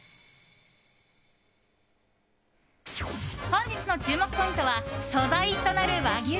本日の注目ポイントは素材となる和牛